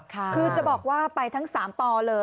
คือจะบอกว่าไปทั้ง๓ปเลย